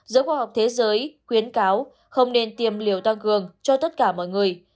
giới khoa học thế giới khuyến cáo không nên tiêm liều tăng cường cho tất cả mọi người